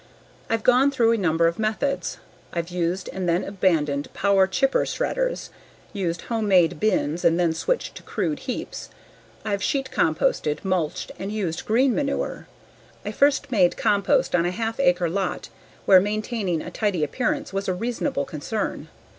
I've gone through a number of methods. I've used and then abandoned power chipper/shredders, used home made bins and then switched to crude heaps; I've sheet composted, mulched, and used green manure. I first made compost on a half acre lot where maintaining a tidy appearance was a reasonable concern.